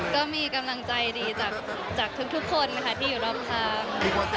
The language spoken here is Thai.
ก็มีกำลังใจดีจากทุกคนนะคะที่อยู่รอบทาง